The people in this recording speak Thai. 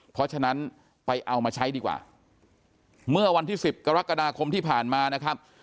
เพราะฉะนั้นไปเอามาใช้ดีกว่าเมื่อวันที่สิบกรกฎาคมที่ผ่านมานะครับ